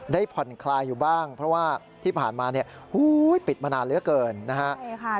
ได้ผ่อนคลายอยู่บ้างเพราะว่าที่ผ่านมาเนี่ยปิดมานานเหลือเกินนะฮะ